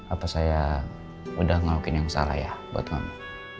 apa saya udah ngelukin yang salah ya buat kamu